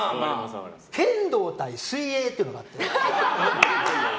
剣道対水泳っていうのがあって。